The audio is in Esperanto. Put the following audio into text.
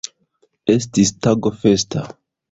Estis tago festa.